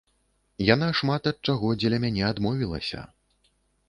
Яна шмат ад чаго дзеля мяне адмовілася.